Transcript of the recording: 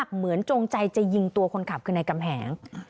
เหมือนจงใจจะยิงตัวคนขับคือนายกำแหง